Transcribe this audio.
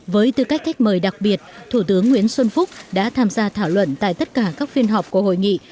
với tư cách thách mời đặc biệt thủ tướng nguyễn xuân phúc đã tham gia thảo luận tại tất cả các phiên họp của hội nghị